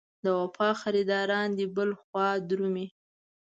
د وفا خریداران دې بل خوا درومي.